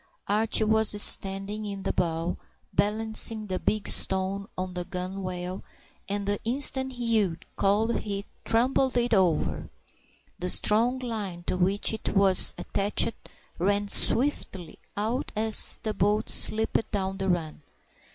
Archie was standing in the bow, balancing the big stone on the gunwale, and the instant Hugh called he tumbled it over. The strong line to which it was attached ran swiftly out as the boat slipped down the run.